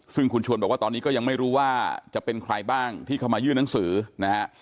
ซึ่งคุณชวนบอกว่าตอนนี้ก็ยังไม่รู้ว่าจะเป็นใครบ้างที่เข้ามายื่นหนังสือนะฮะ